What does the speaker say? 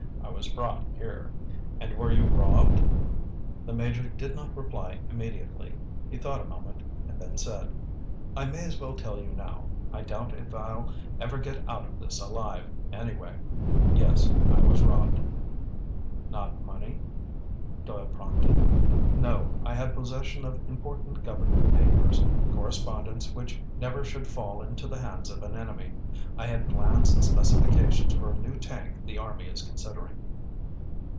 I was brought here." "And were you robbed?" The Major did not reply immediately. He thought a moment and then said: "I may as well tell you now. I doubt if I'll ever get out of this alive anyway. Yes, I was robbed." "Not money?" Doyle prompted. "No, I had possession of important government papers. Correspondence which never should fall into the hands of an enemy. I had plans and specifications for a new tank the army is considering."